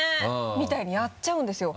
みたいにやっちゃうんですよ。